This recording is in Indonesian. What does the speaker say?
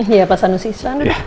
iya pak sanusi silahkan dulu